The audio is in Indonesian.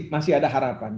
masih ada harapan